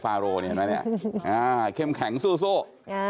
ฟาโรนี่เห็นไหมเนี่ยอ่าเค็มแข็งสู้สู้อ่า